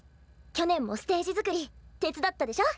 去年もステージ作り手伝ったでしょ？